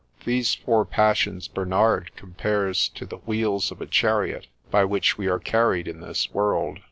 These four passions Bernard compares to the wheels of a chariot, by which we are carried in this world.